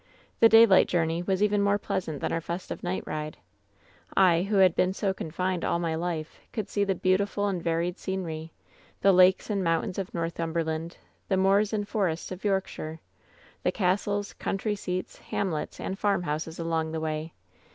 The daylight journey was even more pleasant than our festive night ride. I, who had been so confined all my life, could see the beautiful and varied scenery — ^the lakes and mountains of Northum berland ; the moors and forests of Yorkshire ; the castles, country seats, hamlets and farmhouses along the way.